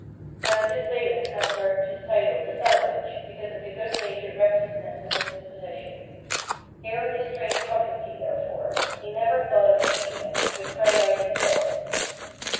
Now this Balin had earned his title "the Savage" because of the good natured recklessness of his disposition. Hearing this strange prophecy, therefore, he never thought of heeding it, but cried out instead.